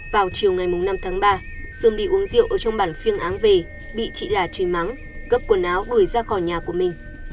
vào chiều ngày năm tháng ba sương đi uống rượu ở trong bản phiêng áng về bị chị là chình mắng gấp quần áo đuổi ra khỏi nhà của mình